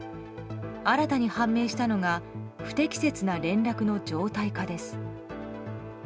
新たに判明したのが不適切な連絡の常態化です。